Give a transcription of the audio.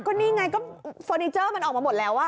ก็นี่ไงก็เฟอร์นิเจอร์มันออกมาหมดแล้ว